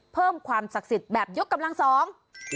เพิ่มความศักดิ์สิทธิ์แบบยกกำลังสอง